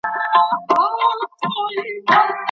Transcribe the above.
د کورنۍ ملاتړ د ماشوم پر نفس باور زیاتوي.